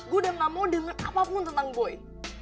gue udah gak mau denger apapun tentang boy